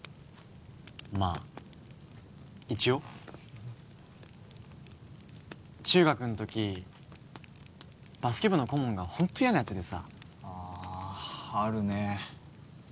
まあ一応中学んときバスケ部の顧問がホント嫌なヤツでさああるね